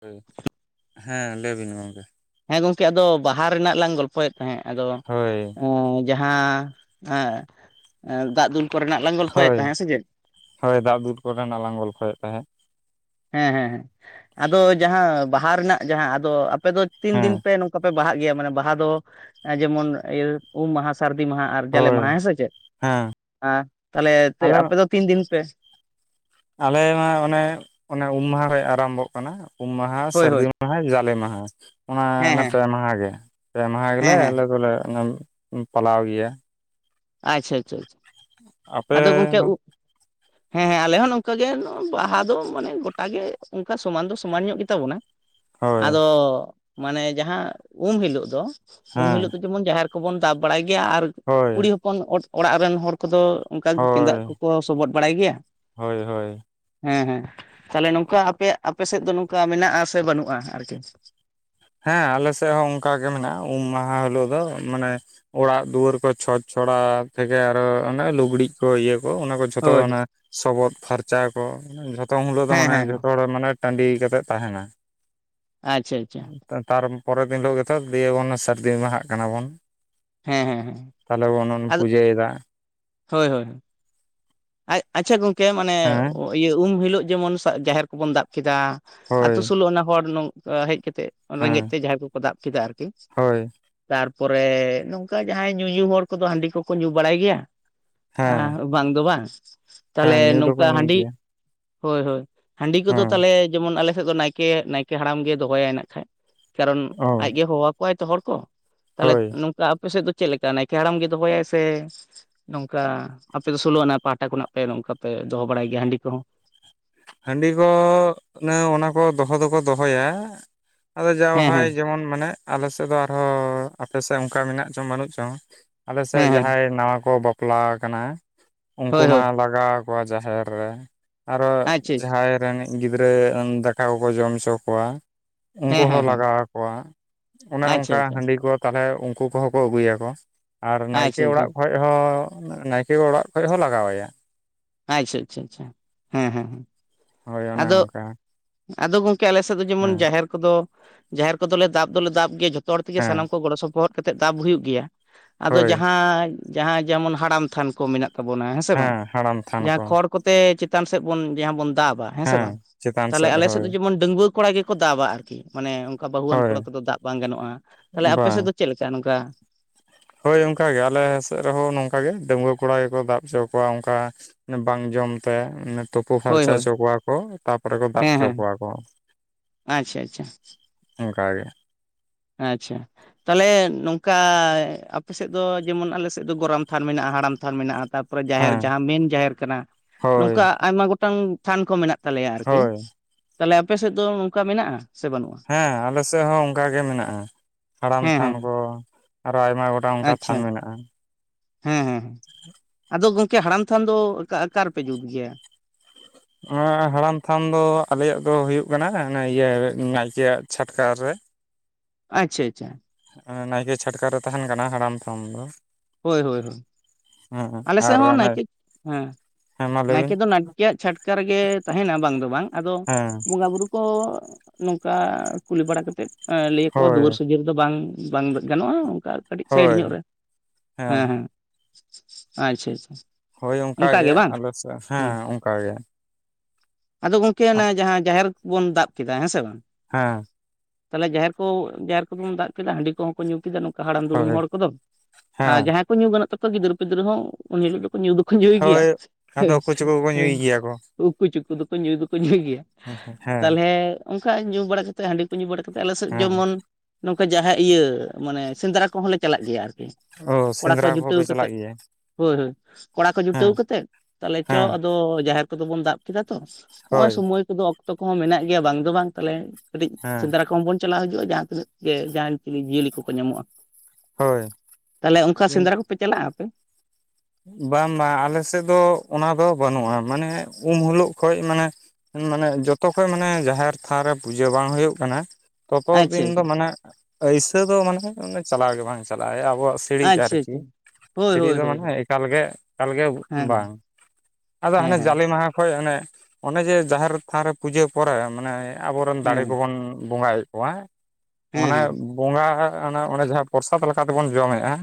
ᱦᱩᱸ ᱦᱮᱸ ᱞᱟᱹᱭ ᱵᱤᱱ ᱜᱚᱢᱠᱮ ᱦᱮᱸ ᱜᱚᱝᱠᱮ ᱟᱫᱚ ᱵᱟᱦᱟ ᱨᱮᱱᱟᱜ ᱞᱟᱝ ᱜᱚᱞᱯᱷᱚᱭᱮᱫ ᱛᱟᱦᱮᱸᱫ ᱟᱫᱚ ᱦᱳᱭ ᱮᱸ ᱡᱟᱦᱟᱸ ᱮᱸ ᱮᱸ ᱫᱟᱜ ᱫᱩᱞ ᱠᱚᱨᱮᱱᱟᱜ ᱞᱟᱝ ᱜᱚᱞᱯᱚᱭᱮᱫ ᱦᱳᱭ ᱛᱟᱦᱮᱸᱜ ᱥᱮ ᱪᱮᱫ ᱦᱳᱭ ᱫᱟᱜ ᱫᱩᱞ ᱠᱚᱨᱮᱱᱟᱜ ᱞᱟᱝ ᱜᱚᱞᱯᱷᱚᱭᱮᱫ ᱛᱟᱦᱮᱸᱫ ᱦᱮᱸ ᱦᱮᱸ ᱦᱮᱸ ᱟᱫᱚ ᱡᱟᱦᱟᱸ ᱵᱟᱦᱟ ᱨᱮᱱᱟᱜ ᱡᱟᱦᱟᱸ ᱟᱫᱚ ᱟᱯᱮ ᱫᱚ ᱛᱤᱱ ᱦᱮᱸ ᱫᱤᱱ ᱯᱮ ᱱᱚᱝᱠᱟ ᱯᱮ ᱵᱟᱦᱟᱜ ᱜᱮᱭᱟ ᱢᱟᱱᱮ ᱵᱟᱦᱟ ᱫᱚ ᱡᱮᱢᱚᱱ ᱤᱭᱟᱹ ᱩᱢ ᱢᱟᱦᱟ ᱥᱟᱹᱨᱫᱤ ᱢᱟᱦᱟ ᱟᱨ ᱟᱨ ᱡᱟᱞᱮ ᱦᱳᱭ ᱢᱟᱦᱟ ᱦᱮᱸ ᱥᱮ ᱪᱮᱫ ᱦᱮᱸ ᱛᱟᱦᱚᱞᱮ ᱟᱞᱮ ᱟᱯᱮ ᱫᱚ ᱛᱤᱱ ᱫᱤᱱ ᱯᱮ ᱟᱞᱮ ᱢᱟ ᱚᱱᱮ ᱚᱱᱮ ᱩᱢ ᱢᱟᱦᱟ ᱨᱮ ᱟᱨᱟᱢᱵᱷᱚᱜ ᱠᱟᱱᱟ᱾ ᱩᱢ ᱢᱟᱦᱟ ᱦᱳᱭ ᱥᱟᱹᱨᱫᱤ ᱦᱳᱭ ᱢᱟᱦᱟ ᱡᱟᱞᱮ ᱢᱟᱦᱟ ᱚᱱᱟ ᱦᱮᱸ ᱚᱱᱟ ᱦᱮᱸ ᱯᱮ ᱢᱟᱦᱟ ᱜᱮ ᱯᱮ ᱢᱟᱦᱟ ᱜᱮᱞᱮ ᱦᱮᱸ ᱦᱮᱸ ᱟᱞᱮ ᱫᱚᱞᱮ ᱚᱱᱟᱢ ᱯᱟᱞᱟᱣ ᱜᱮᱭᱟ᱾ ᱟᱪᱪᱷᱟ ᱟᱪᱪᱷᱟ ᱟᱪᱪᱷᱟ ᱟᱯᱮ ᱟᱫᱚ ᱜᱚᱝᱠᱮ ᱫᱚ ᱩᱵ [inaudible] ᱦᱮᱸ ᱦᱮᱸ ᱟᱞᱮ ᱦᱚᱸ ᱱᱚᱝᱠᱟ ᱜᱮ ᱵᱟᱦᱟ ᱫᱚ ᱢᱟᱱᱮ ᱜᱚᱴᱟ ᱜᱮ ᱚᱱᱠᱟ ᱥᱚᱢᱟᱱ ᱫᱚ ᱥᱚᱢᱟᱱ ᱧᱚᱜ ᱜᱮᱛᱟ ᱵᱚᱱᱟ᱾ ᱦᱳᱭ ᱟᱫᱚ ᱢᱟᱱᱮ ᱡᱟᱦᱟᱸ ᱩᱢ ᱦᱤᱞᱳᱜ ᱫᱚ ᱩᱢ ᱦᱮᱸ ᱦᱤᱞᱳᱜ ᱫᱚ ᱡᱮᱢᱚᱱ ᱡᱟᱦᱮᱨ ᱠᱚᱵᱚᱱ ᱫᱟᱵᱽ ᱵᱟᱲᱟᱭ ᱜᱮᱭᱟ ᱟᱨ ᱦᱳᱭ ᱡᱠᱷᱚᱱ ᱚᱲᱟᱜ ᱨᱮᱱ ᱦᱚᱲ ᱠᱚᱫᱚ ᱚᱱᱠᱟ ᱦᱳᱭ ᱜᱮᱸᱫᱟᱜ ᱠᱚᱠᱚ ᱥᱚᱵᱚᱫ ᱵᱟᱲᱟᱭ ᱜᱮᱭᱟ᱾ ᱦᱳᱭ ᱦᱳᱭ ᱦᱮᱸ ᱦᱮᱸ ᱛᱟᱦᱞᱮ ᱱᱚᱝᱠᱟ ᱟᱯᱮᱭᱟᱜ ᱟᱯᱮ ᱥᱮᱫ ᱫᱚ ᱱᱚᱝᱠᱟ ᱢᱮᱱᱟᱜ ᱥᱮ ᱵᱟᱹᱱᱩᱜᱼᱟ ᱟᱨᱠᱤ ᱦᱮᱸ ᱟᱞᱮ ᱥᱮᱫ ᱦᱚᱸ ᱚᱱᱠᱟ ᱜᱮ ᱢᱮᱱᱟᱜᱼᱟ ᱩᱢ ᱢᱟᱦᱟ ᱦᱤᱞᱳᱜ ᱫᱚ ᱢᱟᱱᱮ ᱚᱲᱟᱜ ᱫᱩᱣᱟᱹᱨ ᱠᱚ ᱪᱷᱚᱸ ᱪᱪᱷᱚᱲᱟ ᱛᱮᱜᱮ ᱟᱨᱚ ᱚᱱᱮ ᱞᱩᱜᱽᱲᱤᱡ ᱠᱚ ᱤᱭᱟᱹ ᱠᱚ ᱚᱱᱟ ᱠᱚ ᱡᱷᱚᱛᱚ ᱦᱳᱭ ᱚᱱᱟ ᱥᱚᱵᱚᱫ ᱯᱷᱟᱨᱪᱟ ᱠᱚ ᱡᱷᱚᱛᱚ ᱩᱱ ᱦᱤᱞᱟᱹᱜ ᱫᱚ ᱦᱮᱸ ᱢᱟᱱᱮ ᱦᱮᱸ ᱦᱮᱸ ᱡᱷᱚᱛᱚ ᱦᱚᱲ ᱢᱟᱱᱮ ᱴᱟᱺᱰᱤ ᱠᱟᱛᱮᱫ ᱛᱟᱦᱮᱱᱟ᱾ ᱟᱪᱪᱷᱟ ᱟᱪᱪᱷᱟ᱾ ᱛᱟᱨᱢᱯᱚᱨᱮ ᱫᱤᱱ ᱦᱤᱞᱳᱜ ᱜᱮᱛᱚ ᱫᱤᱭᱮ ᱵᱚᱱ ᱥᱟᱹᱨᱫᱤ ᱢᱟᱦᱟᱜ ᱠᱟᱱᱟ ᱵᱚᱱ ᱦᱮᱸ ᱦᱮᱸ ᱦᱮᱸ ᱛᱟᱦᱚᱞᱮ ᱵᱚᱱᱚᱱ ᱟᱫᱚ ᱯᱩᱡᱟᱹᱭᱮᱫᱟ᱾ ᱦᱳᱭ ᱦᱳᱭ ᱟᱪᱪᱷᱟ ᱜᱚᱝᱠᱮ ᱢᱟᱱᱮ ᱦᱮᱸ ᱤᱭᱟᱹ ᱩᱢ ᱦᱤᱞᱳᱜ ᱡᱮᱢᱚᱱ ᱡᱟᱦᱮᱨ ᱠᱚᱵᱚᱱ ᱫᱟᱵ ᱠᱮᱫᱟ᱾ ᱦᱳᱭ ᱟᱹᱛᱩ ᱥᱩᱞᱩ ᱚᱱᱟ ᱦᱚᱲ ᱱᱚᱝᱠ ᱦᱮᱡ ᱠᱟᱛᱮᱫ ᱨᱮᱸᱜᱮᱡ ᱦᱮᱸ ᱛᱮ ᱡᱟᱦᱟᱸᱭ ᱠᱚᱠᱚ ᱫᱟᱵ ᱠᱮᱫᱟ ᱟᱨᱠᱤ ᱦᱳᱭ ᱛᱟᱨᱯᱚᱨᱮ ᱱᱚᱝᱠᱟ ᱡᱟᱦᱟᱸᱭ ᱧᱩᱧᱩ ᱦᱚᱲ ᱠᱚᱫᱚ ᱦᱟᱺᱰᱤ ᱠᱚᱠᱚ ᱧᱩ ᱵᱟᱲᱟᱭ ᱜᱮᱭᱟ᱾ ᱦᱮᱸ [inaudible] ᱵᱟᱝ ᱫᱚ ᱵᱟᱝ ᱦᱮᱸ ᱛᱟᱞᱮ ᱧᱩ ᱫᱚᱠᱚ ᱱᱚᱝᱠᱟ ᱧᱩᱭ ᱦᱟᱺᱰᱤ ᱜᱮᱭᱟ ᱦᱳᱭ ᱦᱳᱭ ᱦᱟᱺᱰᱤ ᱠᱚᱫᱚ ᱦᱮᱸ ᱛᱟᱞᱮᱭᱟ ᱡᱮᱢᱚᱱ ᱟᱞᱮ ᱥᱮᱫ ᱫᱚ ᱱᱟᱭᱠᱮ ᱱᱟᱭᱠᱮ ᱦᱟᱲᱟᱢ ᱜᱮ ᱫᱚᱦᱚᱟᱭ ᱱᱟᱜ ᱠᱷᱟᱱᱡ ᱾ ᱠᱟᱨᱚᱱ ᱚ ᱟᱡᱜᱮ ᱦᱚᱦᱚ ᱠᱚᱣᱟᱭ ᱛᱚ ᱦᱚᱲ ᱠᱚ ᱛᱟᱞᱮᱫ ᱦᱳᱭ ᱱᱚᱝᱠᱟ ᱟᱯᱮᱥᱮᱫ ᱫᱚ ᱪᱮᱫ ᱞᱮᱠᱟ ᱱᱟᱭᱠᱮ ᱦᱟᱲᱟᱢ ᱜᱮ ᱫᱚᱦᱚᱭᱟᱭ ᱥᱮ ᱱᱚᱝᱠᱟ ᱟᱯᱮ ᱫᱚ ᱥᱳᱞᱳ ᱟᱱᱟ? ᱯᱟᱦᱴᱟ ᱠᱷᱚᱱᱟᱜ ᱯᱮ ᱱᱚᱝᱠᱟ ᱯᱮ ᱫᱚᱦᱚ ᱵᱟᱲᱟᱭ ᱜᱮᱭᱟ ᱦᱟᱺᱰᱤ ᱠᱚᱦᱚᱸ? ᱦᱟᱺᱰᱤ ᱠᱚ ᱚᱱᱮ ᱚᱱᱟ ᱠᱚ ᱫᱚᱦᱚ ᱫᱚᱠᱚ ᱫᱚᱦᱚᱭᱟ ᱾ ᱟᱫᱚ ᱦᱮᱸ ᱡᱟᱣᱦᱟᱭ ᱦᱮᱸ ᱡᱮᱢᱚᱱ ᱢᱟᱱᱮ ᱟᱞᱮ ᱥᱮᱫ ᱫᱚ ᱟᱨᱦᱚᱸ ᱟᱯᱮ ᱥᱮᱜ ᱚᱱᱠᱟ ᱢᱮᱱᱟᱜ ᱪᱚᱝ ᱵᱟᱹᱱᱩᱜ ᱪᱚᱝ ᱾ ᱦᱮᱸ ᱟᱞᱮᱥᱮᱜ ᱦᱮᱸ ᱡᱟᱦᱟᱸᱭ ᱱᱟᱣᱟ ᱠᱚ ᱵᱟᱯᱞᱟ ᱠᱟᱱᱟ ᱩᱱᱠᱩ ᱦᱳᱭ ᱢᱟ ᱦᱳᱭ ᱞᱟᱜ ᱜᱟᱣ ᱠᱚᱣᱟ ᱡᱟᱦᱮᱨ ᱨᱮ ᱟᱨᱚ [unintelligible] [unintelligible] ᱨᱟᱱᱤᱡ ᱜᱤᱫᱽᱨᱟᱹ [unintelligible] ᱫᱟᱠᱟ ᱵᱟᱠᱚ ᱡᱚᱢ ᱪᱚ ᱠᱚᱣᱟ᱾ ᱩᱝᱠᱩ ᱦᱮᱸ ᱦᱮᱸ ᱦᱚᱸ ᱦᱮᱸ ᱞᱟᱜᱟᱣ ᱟᱠᱚᱣᱟ ᱚᱱᱮ ᱟᱪᱪᱷᱟ ᱚᱝᱠᱟ ᱟᱪᱪᱷᱟ ᱦᱟᱺᱰᱤ ᱠᱚᱫ᱾ ᱛᱟᱦᱞᱮ ᱩᱱᱠᱩ ᱠᱚᱦᱚᱸ ᱠᱚ ᱟᱹᱜᱩ ᱭᱟᱠᱚ ᱟᱨ ᱱᱟᱭᱠᱮ ᱟᱪᱪᱷᱟ ᱟᱪᱪᱷᱟ ᱚᱲᱟᱜ ᱠᱷᱚᱡ᱾ [inaudible] ᱱᱟᱭᱠᱮ ᱚᱲᱟᱜ ᱠᱷᱚᱡ ᱦᱚᱸ ᱞᱟᱜᱟᱣᱟᱭᱟ᱾ [unintelligible] ᱦᱮᱸ ᱦᱮᱸ ᱾ ᱦᱳᱭ ᱚᱱᱮ ᱚᱱᱠᱟ᱾ ᱟᱫᱚ ᱜᱚᱝᱠᱮ ᱟᱞᱮ ᱥᱮᱫ ᱫᱚ ᱡᱮᱢᱚᱱ ᱦᱮᱸ ᱡᱟᱦᱮᱨ ᱠᱚᱫᱚ ᱡᱟᱦᱮᱨ ᱠᱚᱫᱚᱞᱮ ᱫᱟᱵ ᱫᱚᱞᱮ ᱫᱟᱵ ᱜᱮᱭᱟ ᱡᱚᱛ᱾ ᱛᱚᱨ ᱛᱮᱜᱮ ᱦᱮᱸ ᱥᱟᱱᱟᱢ ᱠᱚ ᱜᱚᱲᱚ ᱥᱚᱯᱚᱦᱚᱫ ᱠᱟᱛᱮᱜ ᱛᱟᱵ ᱦᱩᱭᱩᱜ ᱜᱮᱭᱟ ᱟᱫᱚ ᱦᱳᱭ ᱡᱟᱦᱟᱸᱭ ᱾ ᱡᱟᱦᱟᱸ ᱡᱮᱢᱚᱱ ᱦᱟᱲᱟᱢ ᱛᱷᱟᱱ ᱠᱚ ᱢᱮᱱᱟᱜ ᱛᱟᱵᱚᱱᱟ ᱦᱮᱸ ᱥᱮ ᱵᱟᱝ ᱦᱟᱲᱟᱢ ᱛᱷᱟᱱ ᱡᱟᱦᱟᱸ ᱠᱚ ᱠᱷᱚᱲ᱾ ᱠᱚᱛᱮ ᱪᱮᱛᱟᱱ ᱥᱮᱫ ᱵᱚᱱ ᱡᱟᱦᱟᱸ ᱵᱚᱱ ᱫᱟᱵᱟ ᱦᱮᱸ ᱥᱮ ᱵᱟᱝ᱾ ᱛᱷᱟᱞᱮ ᱟᱞᱮ ᱥᱮᱫ ᱫᱚ ᱡᱮᱢᱚᱱ ᱰᱟᱺᱜᱩᱣᱟᱹ ᱠᱚᱲᱟ ᱜᱮᱠᱚ ᱫᱟᱵᱟ ᱟᱨ ᱠᱤ ᱢᱟᱱᱮ ᱚᱱᱠᱟ ᱵᱟᱹᱦᱩᱣᱟᱱ ᱦᱳᱭ ᱠᱚᱲᱟ ᱛᱮᱫᱚ ᱫᱟᱜ ᱵᱟᱝ ᱜᱟᱱᱚᱜᱼᱟ᱾ ᱵᱟᱝ, ᱪᱮᱜ ᱞᱮᱠᱟ ᱱᱚᱝᱠᱟ? ᱦᱳᱭ ᱚᱝᱠᱟ ᱜᱮ ᱟᱞᱮ ᱥᱮᱜ ᱨᱮᱦᱚᱸ ᱱᱚᱝᱠᱟ ᱜᱮ ᱰᱟᱺᱜᱩᱣᱟᱹ ᱠᱚᱲᱟ ᱜᱮᱠᱚ ᱫᱟᱵ ᱪᱚ ᱠᱚᱣᱟ ᱚᱝᱠᱟ᱾ ᱵᱟᱝ ᱡᱚᱢ ᱛᱮ ᱤᱱᱟᱹᱛ ᱾ ᱛᱳᱯᱳ ᱦᱳᱭ ᱯᱷᱟᱨᱪᱟ ᱦᱳᱭ ᱪᱚ ᱠᱚᱣᱟ ᱠᱚ ᱛᱟᱯᱚᱨᱮ ᱠᱚ ᱫᱟᱵ ᱦᱮᱸ ᱪᱚ ᱦᱮᱸ ᱠᱚᱣᱟ ᱠᱚ᱾ ᱟᱪᱪᱷᱟ ᱟᱪᱪᱷᱟ ᱚᱝᱠᱟ ᱜᱮ ᱾ ᱟᱪᱪᱷᱟ, ᱛᱟᱞᱮᱱ ᱱᱚᱝᱠᱟ ᱟᱯᱮ ᱥᱮᱫ ᱫᱚ ᱡᱮᱢᱚᱱ ᱟᱞᱮ ᱥᱮᱜ ᱫᱚ ᱜᱚᱨᱟᱢ ᱛᱷᱟᱱ ᱢᱮᱱᱟᱜᱼᱟ ᱦᱟᱲᱟᱢ ᱛᱷᱟᱱ ᱢᱮᱱᱟᱜᱼᱟ ᱛᱟᱯ ᱯᱚᱲᱮᱨ ᱡᱟᱦᱮᱨ ᱦᱮᱸ ᱡᱟᱦᱟᱸ ᱢᱮᱱ ᱡᱟᱦᱮᱨ ᱠᱟᱱᱟ ᱦᱳᱭ ᱱᱚᱝᱠᱟ ᱟᱭᱢᱟ ᱜᱚᱴᱟᱝ ᱛᱷᱟᱱ ᱠᱚ ᱢᱮᱱᱟᱜ ᱛᱟᱞᱮᱭᱟ ᱟᱨ ᱠᱤ᱾ ᱦᱳᱭ ᱛᱟᱞᱮ ᱟᱯᱮ ᱥᱮᱫ ᱫᱚ ᱚᱝᱠᱟ ᱢᱮᱱᱟᱜᱼᱟ ᱥᱮ ᱵᱟᱹᱱᱩᱜᱼᱟ? ᱦᱮᱸ ᱟᱞᱮ ᱥᱮᱜ ᱦᱚᱸ ᱚᱝᱠᱟ ᱜᱮ ᱢᱮᱱᱟᱜᱼᱟ᱾ ᱦᱟᱲᱟᱢ ᱦᱮᱸ ᱛᱷᱟᱱ ᱦᱮᱸ ᱠᱚ ᱟᱨᱚ ᱟᱭᱢᱟ ᱜᱚᱴᱟᱝ ᱚᱱᱠᱟ ᱟᱪᱪᱷᱟ ᱛᱷᱟᱱ ᱢᱮᱱᱟᱜᱼᱟ᱾ ᱦᱮᱸ ᱦᱮᱸ ᱟᱫᱚ ᱜᱚᱝᱠᱮ ᱦᱟᱲᱟᱢ ᱛᱷᱟᱱ ᱫᱚ ᱚᱠᱟ, ᱟᱠᱟᱨ ᱨᱮᱯᱮ ᱡᱩᱛ ᱜᱮᱭᱟ? ᱱᱚᱣᱟ ᱦᱟᱲᱟᱱ ᱛᱷᱟᱱ ᱫᱚ ᱟᱞᱮᱭᱟᱜ ᱫᱚ ᱦᱩᱭᱩᱜ ᱠᱟᱱᱟ ᱚᱱᱮ ᱤᱭᱟᱹ ᱱᱟᱭᱠᱮᱭᱟᱜ ᱪᱷᱟᱴᱠᱟ ᱨᱮ᱾ ᱟᱪᱪᱷᱟ ᱟᱪᱪᱷᱟ, ᱱᱟᱭᱠᱮ ᱪᱷᱟᱴᱠᱟ ᱨᱮ ᱛᱟᱦᱮᱱ ᱠᱟᱱᱟ ᱦᱟᱲᱟᱢ ᱛᱷᱟᱢ ᱫᱚ᱾ ᱦᱳᱭ ᱦᱳᱭ ᱦᱮᱸ ᱟᱞᱮ ᱥᱮᱜ ᱟᱨ ᱦᱚᱸ ᱚᱱᱮ ᱱᱟᱭᱠᱮ ᱦᱮᱸ᱾ ᱦᱮᱸ ᱢᱟ ᱞᱟᱹᱭ ᱱᱟᱭᱠᱮ ᱵᱤᱱ ᱫᱚ ᱱᱟᱴᱠᱮᱭᱟᱜ ᱪᱷᱟᱴᱠᱟ ᱨᱮᱜᱮ ᱛᱟᱦᱮᱱᱟ ᱵᱟᱝ ᱫᱚ ᱵᱟᱝ ᱟᱫᱚ ᱦᱮᱸ ᱵᱚᱸᱜᱟ ᱵᱩᱨᱩ᱾ ᱠᱚ ᱱᱚᱝᱠᱟ ᱠᱩᱞᱤ ᱵᱟᱲᱟ ᱠᱟᱛᱮᱫ ᱮᱸ ᱞᱮᱭᱟᱠᱚ ᱦᱳᱭ ᱫᱩᱣᱟᱹᱨ ᱥᱚᱡᱷᱮ ᱨᱮ ᱫᱚ ᱵᱟᱝ᱾ ᱵᱟᱝ ᱜᱟᱱᱚᱜᱼᱟ, ᱚᱝᱠᱟ ᱟᱨ ᱠᱟᱹᱴᱤᱡ ᱥᱟᱭᱤᱰ ᱦᱳᱭ ᱧᱚᱸᱜ ᱨᱮ᱾ ᱦᱮᱸ ᱦᱮᱸ [inaudible] ᱟᱪᱪᱷᱟ ᱦᱳᱭ ᱚᱝᱠᱟ ᱚᱱᱠᱟ ᱜᱮ ᱵᱟᱝ ᱟᱞᱮ ᱥᱮᱜ ᱦᱮᱸ ᱚᱝᱠᱟ ᱜᱮ᱾ ᱟᱫᱚ ᱜᱚᱝᱠᱮ ᱚᱱᱮ ᱡᱟᱦᱟᱸ ᱡᱟᱦᱮᱨ ᱵᱚᱱ ᱫᱟᱵ ᱠᱮᱫᱟ ᱦᱮᱸ ᱥᱮ ᱵᱟᱝ᱾ ᱦᱮᱸ ᱛᱟᱞᱦᱮ ᱡᱟᱦᱮᱨ ᱠᱚ ᱡᱟᱦᱮᱨ ᱠᱚᱫᱚᱵᱚᱱ ᱫᱟᱜ ᱠᱮᱫᱟ ᱦᱟᱺᱰᱤ ᱠᱚᱦᱚᱸ ᱠᱚ ᱧᱩ ᱠᱮᱫᱟ ᱱᱚᱝᱠᱟ ᱦᱟᱲᱟᱢ ᱫᱩᱲᱩᱢ ᱦᱳᱭ ᱦᱚᱲ ᱠᱚᱫᱚ᱾ ᱟ ᱦᱮᱸ ᱡᱟᱦᱟᱸᱭ ᱠᱚ ᱧᱩ ᱜᱟᱱᱚᱜ ᱛᱟᱯᱮ ᱜᱤᱫᱟᱹᱨ ᱯᱤᱫᱟᱹᱨ ᱦᱚᱸ ᱤᱱ ᱦᱤᱞᱳᱜ ᱫᱚ ᱧᱩ ᱫᱚ᱾ ᱧᱩᱭ ᱜᱮᱭᱟ ᱦᱳᱭ ᱟᱫᱚ ᱦᱮᱸ ᱚᱠᱚᱭ ᱪᱚᱠᱚ ᱠᱚ ᱧᱩᱭ ᱦᱮᱸ ᱜᱮᱭᱟ ᱠᱚ [unintelligible] ᱩᱠᱩ ᱪᱩᱠᱩ ᱫᱚᱠᱚ ᱧᱩᱭ ᱫᱚᱠᱚ ᱧᱩᱭ ᱜᱮᱭᱟ ᱦᱮᱸ ᱛᱟᱞᱦᱮ ᱚᱱᱠᱟ ᱧᱩ ᱵᱟᱲᱟ ᱠᱟᱛᱮ ᱦᱟᱺᱰᱤ ᱠᱚ ᱧᱩ ᱵᱟᱲᱟ᱾ [unintelligible] ᱟᱞᱮ ᱥᱮᱫ ᱦᱮᱸ ᱡᱮᱢᱚᱱ ᱱᱚᱝᱠᱟ ᱡᱟᱦᱟᱸ ᱤᱭᱟᱹ ᱢᱟᱱᱮ ᱥᱮᱸᱫᱽᱨᱟ ᱠᱚᱦᱚᱸ ᱞᱮ ᱪᱟᱞᱟᱜ ᱜᱮᱭᱟ ᱟᱨᱠᱤ ᱚ ᱠᱚᱲᱟ ᱠᱚ ᱥᱮᱸᱫᱽᱨᱟ ᱠᱚᱦᱚᱸ ᱡᱩᱴᱟᱹᱣ ᱯᱮ ᱪᱟᱞᱟᱜ ᱠᱟᱛᱮᱫ ᱜᱮᱭᱟ ᱦᱳᱭ ᱦᱳᱭ ᱠᱚᱲᱟ ᱠᱚ ᱦᱮᱸ ᱡᱩᱴᱟᱹᱣ ᱠᱟᱛᱮᱫ ᱛᱟᱦᱚᱞᱮ ᱪᱚ ᱦᱮᱸ ᱟᱫᱚ ᱡᱟᱦᱮᱨ᱾ [unintelligible] ᱫᱚ ᱵᱚᱱ ᱫᱟᱵ ᱠᱮᱫᱟ ᱛᱚ ᱱᱚᱜ-ᱚᱭ ᱦᱳᱭ ᱥᱚᱢᱚᱭ ᱠᱚᱫᱚ ᱚᱠᱛᱚ ᱠᱚᱦᱚᱸ ᱢᱮᱱᱟᱜ ᱜᱮᱭᱟ ᱵᱟᱝ ᱫᱚ ᱵᱟᱝ ᱛᱟᱦᱚᱞᱮ᱾ ᱠᱟᱹᱴᱤᱡ ᱦᱮᱸ ᱥᱮᱸᱫᱽᱨᱟ ᱠᱚᱦᱚᱸ ᱵᱚᱱ ᱪᱟᱞᱟᱣ ᱦᱤᱡᱩᱜᱼᱟ ᱡᱟᱦᱟᱸ ᱛᱤᱱᱟᱹᱜ ᱜᱮ ᱡᱟᱦᱟᱱ [unintelligible] ᱡᱤᱭᱟᱹᱞᱤ ᱠᱚᱠᱚ ᱧᱟᱢᱚᱜᱼᱟ᱾ ᱦᱳᱭ ᱛᱟᱦᱚᱞᱮ ᱚᱱᱠᱟ ᱥᱮᱸᱫᱽᱨᱟ ᱠᱚᱯᱮ ᱪᱟᱞᱟᱜᱼᱟ ᱟᱯᱮ᱾ ᱵᱟᱝ ᱵᱟᱝ ᱟᱞᱮ ᱥᱮᱫ ᱫᱚ ᱚᱱᱟ ᱫᱚ ᱵᱟᱹᱱᱩᱜᱼᱟ ᱢᱟᱱᱮ ᱩᱢ ᱦᱤᱞᱳᱜ ᱠᱷᱚᱡ ᱢᱟᱱᱮ᱾ ᱢᱟᱱᱮ ᱡᱚᱛᱚ ᱠᱷᱚᱡ ᱢᱟᱱᱮ ᱡᱟᱦᱮᱨ ᱛᱷᱟᱱ ᱨᱮ ᱯᱩᱡᱟᱹ ᱵᱟᱝ ᱦᱩᱭᱩᱜ ᱠᱟᱱᱟ᱾ ᱛᱚᱛᱚ ᱟᱪᱪᱷᱟ ᱫᱤᱱ ᱫᱚ ᱢᱟᱱᱮ ᱟᱹᱭᱥᱟᱹ ᱫᱚ ᱢᱟᱱᱮ ᱪᱟᱞᱟᱣ ᱜᱮ ᱵᱟᱝ ᱪᱟᱞᱟᱜᱼᱟ ᱟᱵᱚᱣᱟᱜ ᱥᱤᱬᱤᱡ ᱟᱪᱪᱷᱟ ᱟᱨᱠᱤ ᱟᱪᱪᱷᱟ ᱦᱳᱭ ᱥᱤᱬᱤ ᱦᱳᱭ ᱫᱚ ᱦᱳᱭ ᱢᱟᱱᱮ᱾ [unintelligible] ᱮᱠᱟᱞ ᱜᱮ ᱵᱟᱝ, ᱦᱮᱸ ᱟᱫᱚ ᱦᱮᱸ ᱦᱟᱱᱮ ᱦᱮᱸ ᱡᱟᱞᱮ ᱢᱟᱦᱟᱸ ᱠᱷᱚᱱ ᱚᱱᱮ ᱚᱱᱮ ᱡᱮ ᱡᱟᱦᱮᱨ ᱛᱷᱟᱱ ᱨᱮ ᱯᱩᱡᱟᱹ ᱯᱚᱨᱮ ᱢᱟᱱᱮ ᱟᱵᱚᱨᱮᱱ ᱫᱟᱲᱮ ᱦᱮᱸ ᱠᱚᱵᱚᱱ ᱵᱚᱸᱜᱟ ᱭᱮᱫ ᱠᱚᱣᱟ ᱦᱮᱸ ᱚᱱᱮ ᱦᱮᱸ ᱵᱚᱸᱜᱟ ᱚᱱᱮ ᱡᱟᱦᱟᱸ ᱯᱨᱚᱥᱟᱫᱽ, ᱞᱮᱠᱟᱛᱮᱵᱚᱱ ᱡᱚᱢᱮᱫᱼᱟ᱾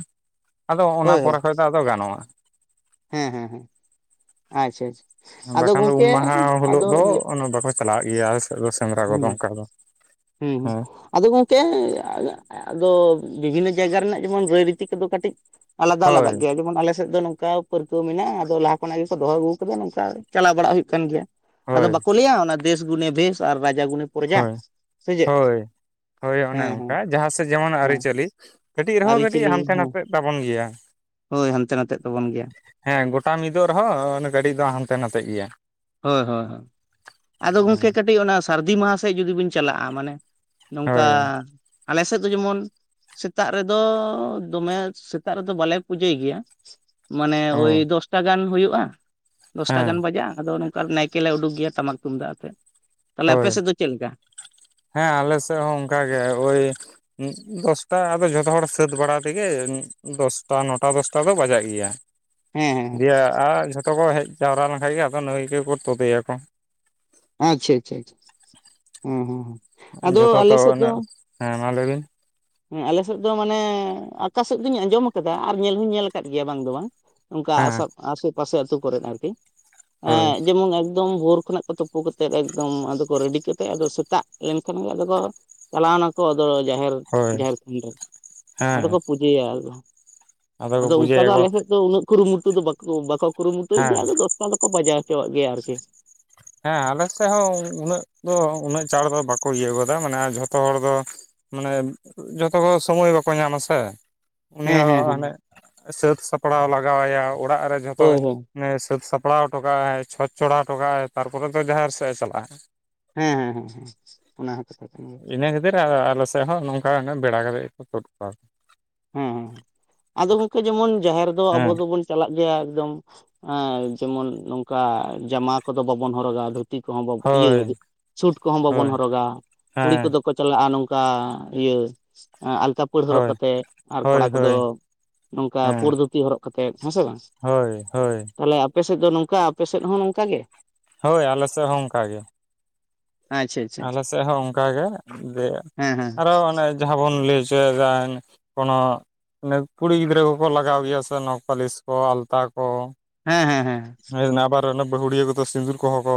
ᱟᱫᱚ ᱚᱱᱟ ᱦᱳᱭ ᱦᱳᱭ ᱯᱚᱨᱮ ᱠᱷᱚᱭ ᱫᱚ ᱟᱫᱚ ᱜᱟᱱᱚᱜᱼᱟ᱾ [inaudible] ᱦᱮᱸ ᱦᱮᱸ ᱦᱮᱸ ᱟᱪᱪᱷᱟ ᱟᱪᱪᱷᱟ ᱟᱫᱚ ᱵᱟᱠᱷᱟᱱ ᱫᱚ ᱜᱚᱝᱠᱮ ᱩᱢ ᱢᱟᱦᱟ ᱦᱤᱞᱳᱜ ᱟᱫᱚ ᱫᱚ ᱚᱱᱟ ᱵᱟᱠᱚ ᱪᱟᱞᱟᱜ ᱜᱮᱭᱟ ᱥᱮᱸᱫᱽᱨᱟ ᱦᱩᱸ ᱠᱚᱫᱚ ᱚᱝᱠᱟ ᱫᱚ ᱦᱩᱸ ᱦᱩᱸ ᱦᱮᱸ ᱟᱫᱚ ᱜᱚᱢᱠᱮ ᱟᱫᱚ ᱵᱤᱵᱷᱤᱱᱱᱚ ᱡᱟᱭᱜᱟ ᱨᱮᱱᱟᱜ ᱡᱮᱢᱚᱱ ᱨᱟᱹᱭ ᱨᱤᱛᱤ ᱠᱚᱫᱚ ᱠᱟᱹᱴᱤᱡ ᱟᱞᱟᱫᱟ ᱟᱞᱟᱫᱟ ᱦᱳᱭ ᱜᱮᱭᱟ ᱡᱮᱢᱚᱱ ᱟᱞᱮᱥᱮᱫ ᱫᱚ ᱱᱚᱝᱠᱟ ᱯᱟᱹᱨᱠᱟᱹᱣ ᱢᱮᱱᱟᱜᱼᱟ᱾ ᱟᱫᱚ ᱞᱟᱦᱟ ᱠᱷᱚᱱᱟᱜ ᱜᱮᱠᱚ ᱫᱚᱦᱚ ᱟᱹᱜᱩ ᱟᱠᱟᱫᱟ ᱱᱚᱝᱠᱟ ᱪᱟᱞᱟᱣ ᱵᱟᱲᱟ ᱦᱩᱭᱩᱜ ᱠᱟᱱ ᱜᱮᱭᱟ᱾ ᱟᱫᱚ ᱦᱳᱭ ᱵᱟᱠᱚ ᱞᱟᱹᱭᱟ ᱚᱱᱟ ᱫᱮᱥ ᱜᱩᱱᱮ ᱵᱮᱥ ᱟᱨ ᱨᱟᱡᱟ ᱜᱩᱱᱮ ᱯᱨᱚᱡᱟ ᱦᱳᱭ, ᱥᱮ ᱪᱮᱫ ᱦᱳᱭ, ᱦᱳᱭ ᱚᱱᱮ ᱦᱮᱸ ᱦᱮᱸ ᱚᱱᱠᱟ ᱡᱟᱦᱟᱸ ᱥᱮᱫ ᱡᱮᱢᱚᱱ ᱟᱹᱨᱤ ᱦᱮᱸ ᱪᱟᱹᱞᱤ ᱠᱟᱹᱴᱤᱡ ᱨᱮᱦᱚᱸ, ᱠᱟᱹᱴᱤᱡ ᱟᱹᱨᱤᱪᱟᱹᱞᱤ ᱦᱟᱱᱛᱮ ᱦᱮᱸ ᱱᱟᱛᱮ ᱛᱟᱵᱚᱱ ᱜᱮᱭᱟ᱾ ᱦᱳᱭ, ᱦᱟᱱᱛᱮ ᱱᱟᱛᱮᱜ ᱛᱟᱵᱚᱱ ᱜᱮᱭᱟ᱾ ᱦᱮᱸ ᱜᱚᱴᱟ ᱢᱤᱫᱚᱜ ᱨᱮᱦᱚᱸ ᱜᱟᱹᱴᱤᱡ ᱫᱚ ᱦᱟᱱᱛᱮ ᱱᱟᱛᱮ ᱜᱮᱭᱟ᱾ ᱦᱳᱭ ᱦᱳᱭ ᱦᱳᱭ᱾ ᱟᱫᱚ ᱜᱚᱝᱠᱮ ᱠᱟᱹᱴᱤᱡ ᱚᱱᱟ ᱥᱟᱹᱨᱫᱤ ᱢᱟᱦᱟ ᱥᱮᱫ ᱡᱩᱫᱤ ᱵᱤᱱ ᱪᱟᱞᱟᱜᱼᱟ᱾ ᱢᱟᱱᱮ ᱱᱚᱝᱠᱟ ᱦᱳᱭ ᱟᱞᱮ ᱥᱮᱫ ᱫᱚ ᱡᱮᱢᱚᱱ ᱥᱮᱛᱟᱜ ᱨᱮᱫᱚ, ᱫᱚᱢᱮ ᱥᱮᱛᱟᱜ ᱨᱮᱫᱚ ᱵᱟᱞᱮ ᱯᱩᱡᱟᱹᱭ ᱜᱮᱭᱟ᱾ ᱢᱟᱱᱮ ᱚ ᱳᱭ ᱫᱚᱥᱴᱟ ᱜᱟᱱ ᱦᱩᱭᱩᱜᱼᱟ᱾ ᱫᱚᱥᱴᱟ ᱦᱮᱸ ᱜᱟᱱ ᱵᱟᱡᱟᱜ ᱟᱫᱚ ᱱᱚᱝᱠᱟ ᱱᱟᱭᱠᱮ ᱞᱮ ᱩᱰᱩᱩᱠ ᱜᱮᱭᱟ ᱴᱟᱢᱟᱠ ᱛᱩᱢᱫᱟᱜ ᱟᱛᱮᱫ, ᱛᱟᱦᱚᱞᱮ ᱟᱯᱮ ᱦᱳᱭ ᱥᱮᱫ ᱫᱚ ᱪᱮᱫ ᱞᱮᱠᱟ ᱦᱮᱸ ᱟᱞᱮ ᱥᱮᱫ ᱦᱚᱸ ᱚ ᱝᱠᱟᱜ ᱜᱮ ᱳᱭ ᱫᱚᱥᱴᱟ ᱟᱫᱚ ᱡᱷᱚᱛᱚ ᱦᱚᱲ ᱥᱟᱹᱛ ᱵᱟᱲᱟ ᱛᱮᱜᱮ, ᱫᱚᱥᱴᱟ ᱱᱚᱴᱟ ᱫᱚᱥᱴᱟ ᱫᱚ ᱵᱟᱡᱟᱜ ᱜᱮᱭᱟ᱾ ᱦᱮᱸ ᱦᱮᱸ ᱫᱤᱭᱮ ᱟ, ᱡᱷᱚᱛᱚ ᱠᱚ ᱦᱮᱡ ᱡᱟᱣᱨᱟ ᱞᱮᱱᱠᱷᱟᱡ ᱜᱮ ᱟᱫᱚ ᱱᱟᱹᱭ ᱜᱮᱠᱚ ᱛᱩᱫᱮᱭᱟ ᱠᱚ᱾ ᱟᱪᱪᱷᱟ ᱟᱪᱪᱷᱟ ᱦᱮᱸ ᱦᱮᱸ ᱦᱮᱸ ᱟᱫᱚ ᱡᱷᱚᱛᱚ ᱟᱞᱮ ᱛᱚ ᱥᱮᱫ ᱫᱚ ᱩᱱᱟᱹᱜ ᱦᱮᱸ ᱢᱟ ᱞᱟᱹᱭ ᱵᱤᱱ ᱦᱮᱸ ᱟᱞᱮᱥᱮᱫ ᱫᱚ ᱢᱟᱱᱮ, ᱟᱠᱟ ᱥᱮᱫ ᱫᱚᱧ ᱟᱸᱡᱚᱢ ᱟᱠᱟᱫᱟ ᱟᱨ ᱧᱮᱞ ᱦᱚᱧ ᱧᱮᱞ ᱟᱠᱟᱫ ᱜᱮᱭᱟ ᱵᱟᱝ ᱫᱚ ᱵᱟᱝ ᱚᱝᱠᱟ ᱟᱥᱚ ᱦᱮᱸ ᱟᱥᱮ ᱯᱟᱥᱮ ᱟᱹᱛᱩᱳ ᱠᱚᱨᱮ ᱟᱨᱠᱤ, ᱦᱳᱭ ᱡᱮᱢᱚᱱ ᱮᱠᱫᱚᱢ ᱵᱷᱳᱨ ᱠᱷᱚᱱᱟᱜ ᱛᱳᱯᱳ ᱠᱟᱛᱮᱫ ᱮᱠᱫᱚᱢ ᱟᱫᱚ ᱠᱚ ᱨᱮᱰᱤ ᱠᱟᱛᱮ ᱟᱫᱚ ᱥᱮᱛᱟᱜ ᱞᱮᱱᱠᱷᱟᱱ ᱜᱮ ᱟᱫᱚ ᱠᱚ ᱪᱟᱞᱟᱣ ᱱᱟᱠᱚ ᱟᱫᱚ ᱡᱟᱦᱮᱨ ᱦᱳᱭ ᱡᱟᱦᱮᱨ ᱛᱷᱟᱱ ᱨᱮ ᱟᱫᱚ ᱦᱮᱸ ᱠᱚ ᱯᱩᱡᱟᱹᱭᱟ ᱟᱞᱮᱥᱮᱜ ᱦᱚᱸ ᱠᱚ ᱟᱫᱚ ᱚᱱᱠᱟ ᱫᱚ ᱯᱩᱡᱟᱹᱭᱟᱠᱚ ᱟᱞᱮᱥᱮᱜ ᱫᱚ ᱩᱱᱟᱹᱜ ᱠᱩᱨᱩᱢᱩᱴᱩ ᱫᱚ ᱵᱟᱠᱚ ᱵᱟᱠᱚ ᱠᱩᱨᱩᱢᱩᱴᱩᱭ ᱦᱮᱸ ᱜᱮᱭᱟ ᱟᱫᱚ ᱫᱚᱥᱴᱟ ᱫᱚᱠᱚ ᱵᱟᱡᱟᱣ ᱦᱚᱪᱚᱣᱟᱜ ᱜᱮᱭᱟ ᱟᱨᱠᱤ᱾ ᱦᱮᱸ ᱟᱞᱮ ᱥᱮᱫ ᱦᱚᱸ ᱩᱱᱟᱹᱜ ᱫᱚ ᱩᱱᱟᱹᱜ ᱪᱟᱲ ᱫᱚ ᱵᱟᱠᱚ ᱤᱭᱟᱹ ᱠᱟᱫᱟ ᱢᱟᱱᱮ ᱡᱷᱚᱛᱚ ᱦᱚᱲ ᱫᱚ, ᱢᱟᱱᱮ ᱡᱚᱛᱚ ᱦᱚᱸ ᱥᱚᱢᱚᱭ ᱵᱟᱠᱚ ᱧᱟᱢᱟ ᱥᱮ᱾ ᱩᱱᱤ ᱦᱮᱸ ᱦᱮᱸ ᱦᱚᱸ ᱦᱮᱸ ᱦᱟᱱᱮ ᱥᱟᱹᱛ ᱥᱟᱯᱲᱟᱣ ᱞᱟᱜᱟᱣ ᱟᱭᱟ ᱚᱲᱟᱜ ᱨᱮ ᱡᱷᱚᱛᱚ ᱦᱳᱭ ᱦᱳᱭ ᱚᱱᱮ ᱥᱟᱹᱛ ᱥᱟᱯᱲᱟᱣ ᱦᱚᱴᱚ ᱠᱟᱜᱼᱟᱭ ᱪᱷᱚᱸᱪ ᱪᱷᱚᱲᱟᱣ ᱦᱚᱴᱚᱠᱟᱜᱼ ᱟᱭ ᱛᱟᱨᱯᱚᱨᱮ ᱫᱚ ᱡᱟᱦᱮᱨ ᱥᱮᱫᱼᱮ ᱪᱟᱞᱟᱜᱼᱟ᱾ ᱦᱮᱸ ᱦᱮᱸ ᱦᱮᱸ ᱚᱱᱟ ᱦᱚᱸ ᱠᱟᱛᱷᱟ ᱠᱟᱱ ᱜᱮᱭᱟ, ᱱᱤᱭᱟᱹ ᱠᱷᱟᱛᱤᱨ ᱟᱻ ᱟᱞᱮᱥᱮᱜ [unintelligible] ᱦᱚᱸ ᱱᱚᱝᱠᱟ ᱵᱮᱲᱟ ᱠᱟᱛᱮᱫ ᱜᱮᱠᱚ ᱛᱩᱫ ᱠᱚᱣᱟ, ᱦᱮᱸ ᱦᱮᱸ ᱟᱫᱚ ᱜᱚᱝᱠᱮ ᱡᱮᱢᱚᱱ ᱡᱟᱦᱮᱨ ᱫᱚ ᱟᱵᱚ ᱦᱮᱸ ᱫᱚᱵᱚᱱ ᱪᱟᱞᱟᱜ ᱜᱮᱭᱟ ᱮᱠᱫᱚᱢ ᱡᱮᱢᱚᱱ ᱱᱚᱝᱠᱟ ᱡᱟᱢᱟ ᱠᱚᱫᱚ ᱵᱟᱵᱚᱱ ᱦᱚᱨᱚᱜᱟ ᱟᱫᱚ ᱫᱷᱩᱛᱤ ᱠᱚᱦᱚᱸ ᱵᱟᱵᱚ ᱤᱭᱟᱹ ᱦᱳᱭ ᱥᱩᱴ ᱠᱚᱦᱚᱸ ᱵᱟᱵᱚᱱ ᱦᱳᱭ ᱦᱚᱨᱚᱜᱟ ᱠᱩᱲᱤ ᱦᱮᱸ ᱠᱚᱫᱚ ᱠᱚ ᱪᱟᱞᱟᱜᱼᱟ ᱱᱚᱝᱠᱟ ᱤᱭᱟᱹ ᱟᱞᱛᱟ ᱯᱟᱹᱲ ᱦᱚᱨᱚᱜ ᱦᱳᱭ ᱠᱟᱛᱮᱜ᱾ ᱟᱨ ᱦᱳᱭ ᱠᱚᱲᱟ ᱠᱚᱫᱚ ᱦᱳᱭ ᱱᱚᱝᱠᱟ ᱦᱮᱸ ᱯᱩᱲ ᱫᱷᱩᱛᱤ ᱦᱚᱨᱚᱜ ᱠᱟᱛᱮ ᱦᱮᱸᱥᱮ ᱵᱟᱝ, ᱦᱳᱭ ᱦᱳᱭ ᱛᱟᱦᱚᱞᱮ ᱟᱯᱮᱥᱮᱫ ᱫᱚ ᱱᱚᱝᱠᱟ ᱟᱯᱮᱥᱮᱫ ᱦᱚᱸ ᱱᱚᱝᱠᱟ ᱜᱮ? ᱦᱳᱭ ᱟᱞᱮ ᱥᱮᱜ ᱦᱚᱸ ᱚᱱᱠᱟ ᱜᱮ᱾ ᱟᱪᱪᱷᱟ ᱟᱪᱪᱷᱟ ᱟᱞᱮ ᱥᱮᱜ ᱦᱚᱸ ᱚᱱᱠᱟᱜᱮ ᱡᱮ ᱦᱮᱸ ᱦᱮᱸ ᱟᱨᱚ ᱚᱱᱮ, ᱡᱟᱦᱟᱸ ᱵᱚᱱ ᱞᱟᱹᱭ ᱦᱚᱪᱚᱭᱫᱟᱱ ᱠᱳᱱᱳ ᱚᱱᱮ ᱠᱩᱲᱤ ᱜᱤᱫᱽᱨᱟᱹ ᱠᱚᱠᱚ ᱞᱟᱜᱟᱣ ᱜᱮᱭᱟ ᱥᱮ ᱱᱚᱠ ᱯᱟᱞᱤᱥ ᱠᱚ ᱟᱞᱛᱟ ᱠᱚ ᱦᱮᱸ ᱦᱮᱸ ᱦᱮᱸ᱾ ᱱᱮ ᱟᱵᱟᱨ ᱵᱟᱦᱩᱲᱤᱭᱟᱹ ᱠᱚᱫᱚ ᱥᱤᱸᱫᱩᱨ ᱠᱚᱦᱚᱸ ᱠᱚ